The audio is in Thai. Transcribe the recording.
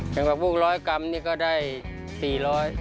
อย่างพวกร้อยกรัมนี่ก็ได้สี่ร้อย